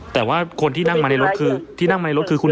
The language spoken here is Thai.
อ๋อแต่ว่าคนที่นั่งมาในรถคือคุณหมอเองหรือครับ